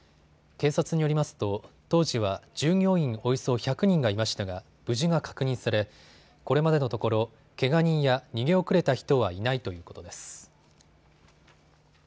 警察によりますと当時は従業員およそ１００人がいましたが無事が確認されこれまでのところ、けが人や逃げ遅れた人はいないということです。